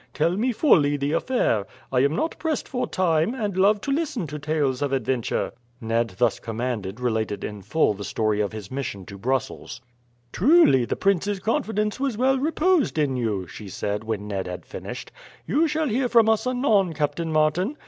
Tell me fully the affair. I am not pressed for time, and love to listen to tales of adventure." Ned thus commanded related in full the story of his mission to Brussels. "Truly the prince's confidence was well reposed in you," she said, when Ned had finished. "You shall hear from us anon, Captain Martin.